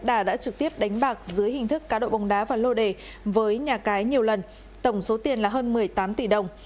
đà đã trực tiếp đánh bạc dưới hình thức cá độ bóng đá và lô đề với nhà cái nhiều lần tổng số tiền là hơn một mươi tám tỷ đồng